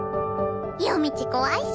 夜道怖いし。